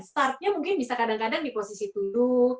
startnya mungkin bisa kadang kadang di posisi dulu